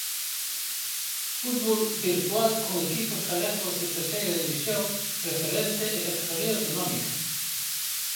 Fútbol virtual con equipos galegos de Terceira División, preferente e categoría autonómica.